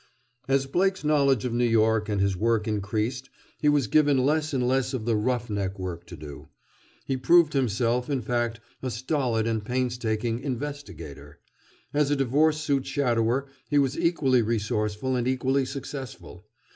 As Blake's knowledge of New York and his work increased he was given less and less of the "rough neck" work to do. He proved himself, in fact, a stolid and painstaking "investigator." As a divorce suit shadower he was equally resourceful and equally successful.